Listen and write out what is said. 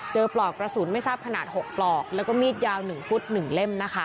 เจอปลอกประสูญไม่ทราบขนาด๖ปลอกและมีดยาว๑ฟุต๑เล่ม